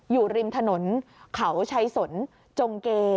อยู่ริมถนนเขาชัยสนจงเก